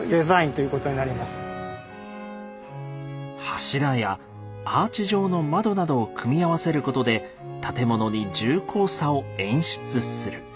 柱やアーチ状の窓などを組み合わせることで建物に重厚さを演出する。